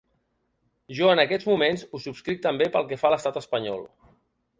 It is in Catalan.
Jo en aquests moments ho subscric també pel que fa a l’estat espanyol.